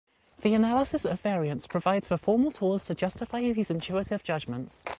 The analysis of variance provides the formal tools to justify these intuitive judgments.